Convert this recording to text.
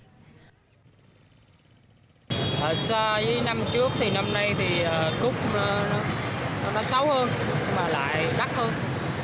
hồi xa với năm trước thì năm nay thì cúc nó xấu hơn mà lại đắt hơn